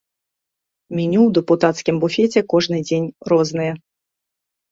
Меню ў дэпутацкім буфеце кожны дзень рознае.